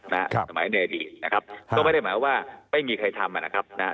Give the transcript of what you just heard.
สมัยในอดีตนะครับก็ไม่ได้หมายว่าไม่มีใครทำอ่ะนะครับนะฮะ